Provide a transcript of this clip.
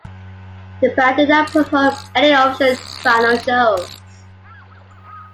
The band did not perform any official final shows.